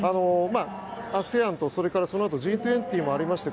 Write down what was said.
ＡＳＥＡＮとそれからＧ２０もありまして